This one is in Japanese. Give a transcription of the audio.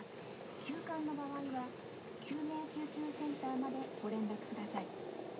「急患の場合は救命救急センターまでご連絡下さい」。